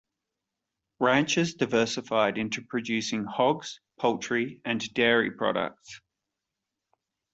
Ranchers diversified into producing hogs, poultry and dairy products.